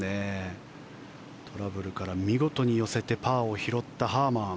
トラブルから見事に寄せてパーを拾ったハーマン。